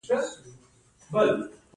آیا زموږ تولیدات کیفیت لري؟